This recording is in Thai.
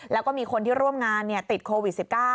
แล้วก็มีคนที่ร่วมงานติดโควิด๑๙